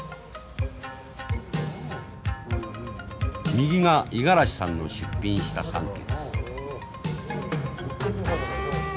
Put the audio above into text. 右が五十嵐さんの出品した三色。